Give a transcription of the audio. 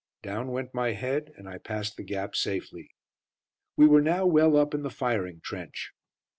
Down went my head, and I passed the gap safely. We were now well up in the firing trench.